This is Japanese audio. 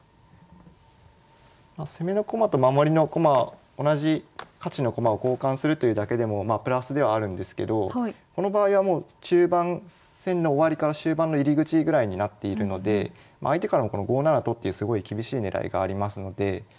攻めの駒と守りの駒同じ価値の駒を交換するというだけでもプラスではあるんですけどこの場合はもう中盤戦の終わりから終盤の入り口ぐらいになっているので相手からもこの５七と金っていうすごい厳しい狙いがありますので。